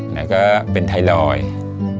แล้วก็เป็นไทรอยด์